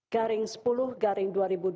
dan nomor r sepuluh garing dua ribu dua puluh satu